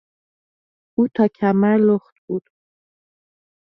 او تا کمر لخت بود.